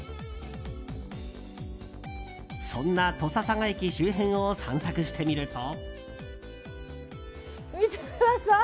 そんな土佐佐賀駅周辺を散策してみると。